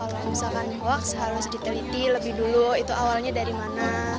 kalau misalkan hoax harus diteliti lebih dulu itu awalnya dari mana